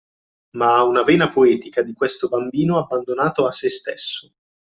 Ma ha una vena poetica di questo bambino abbandonato a sè stesso